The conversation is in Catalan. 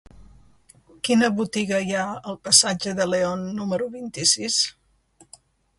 Quina botiga hi ha al passatge de León número vint-i-sis?